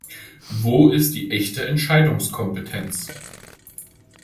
Wo ist die echte Entscheidungskompetenz?